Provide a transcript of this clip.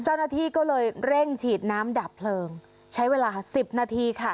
เจ้าหน้าที่ก็เลยเร่งฉีดน้ำดับเพลิงใช้เวลาสิบนาทีค่ะ